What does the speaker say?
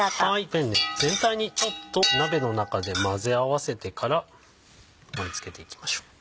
ペンネ全体にちょっと鍋の中で混ぜ合わせてから盛り付けていきましょう。